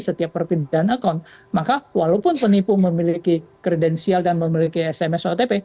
setiap perpindahan account maka walaupun penipu memiliki kredensial dan memiliki sms otp